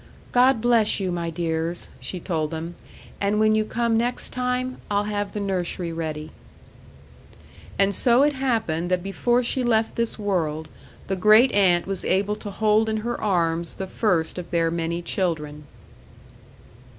"God bless you, my dears," she told them. "And when you come next time, I'll have the nursery ready." And so it happened that before she left this world, the great aunt was able to hold in her arms the first of their many children.